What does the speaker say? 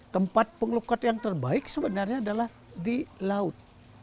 tempat pengelukat yang terbaik sebenarnya adalah di laut